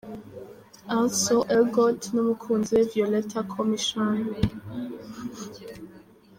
Ansel Elgort n'umukunzi we Violetta Komyshan.